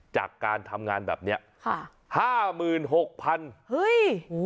จากการทำงานแบบเนี้ยค่ะห้าหมื่นหกพันเฮ้ย